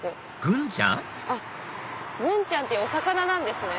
グンちゃんってお魚なんですね。